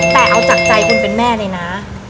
แต่เอาจากใจคนเป็นแม่เลยนะ